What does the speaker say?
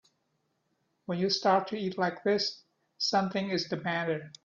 When you start to eat like this something is the matter.